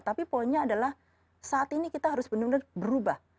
tapi poinnya adalah saat ini kita harus benar benar berubah